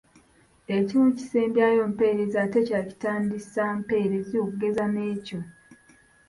Ekimu kisembyayo mpeerezi ate ekirala kitandisa mpeerezi okugeza n’ekyo.